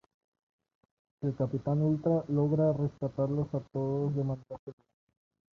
El Capitán Ultra logra rescatarlos a todos de manera segura.